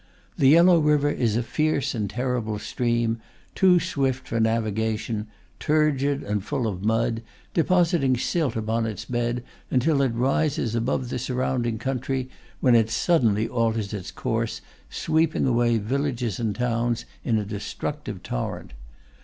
The Yellow River is a fierce and terrible stream, too swift for navigation, turgid, and full of mud, depositing silt upon its bed until it rises above the surrounding country, when it suddenly alters its course, sweeping away villages and towns in a destructive torrent.